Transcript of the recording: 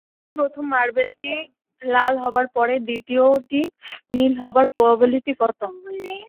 এখন প্রথম মার্বেলটি লাল হবার পরে দ্বিতীয়টি নীল হবার প্রবাবিলিটি কত?